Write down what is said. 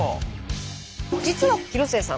実は広末さん